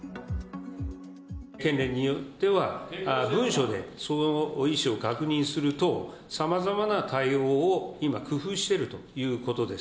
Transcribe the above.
県連によっては、文書でその意思を確認する等、さまざまな対応を今、工夫しているということです。